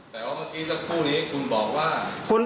แต่ว่าเมื่อกี้สักครู่นี้คุณบอกว่า